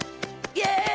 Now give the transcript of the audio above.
イエイ！